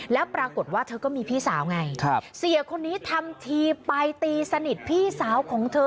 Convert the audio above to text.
แล้วปรากฏว่าเธอก็มีพี่สาวไงเสียคนนี้ทำทีไปตีสนิทพี่สาวของเธอ